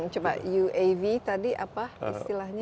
coba uav tadi apa istilahnya